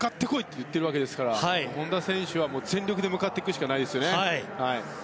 と言っているわけですから本多選手は全力で向かっていくしかないですよね。